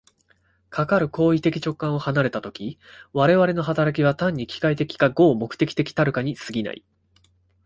かかる行為的直観を離れた時、我々の働きは単に機械的か合目的的たるかに過ぎない。